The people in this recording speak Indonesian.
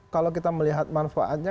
kalau kita melihat manfaatnya